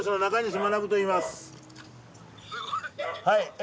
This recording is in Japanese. はい。